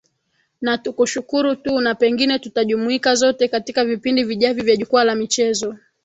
na tukushukuru tu na pengine tutajumuika zote katika vipindi vijavyo vya jukwaa la michezo